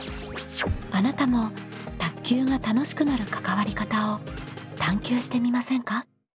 あなたも卓球が楽しくなる関わり方を探究してみませんか？